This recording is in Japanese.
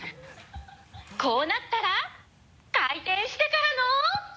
「こうなったら、回転してからのー」